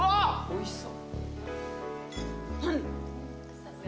おいしそう。